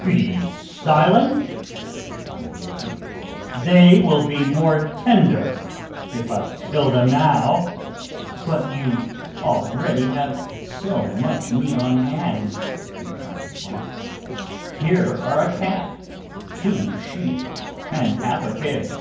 "Be silent," replied the Ogre; "they will be more tender if I kill them now." "But you have already so much meat on hand," replied his wife. "Here are a calf, two sheep, and half a pig."